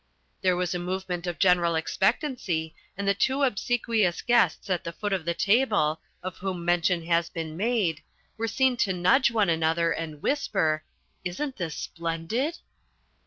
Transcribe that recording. There was a movement of general expectancy and the two obsequious guests at the foot of the table, of whom mention has been made, were seen to nudge one another and whisper, "Isn't this splendid?"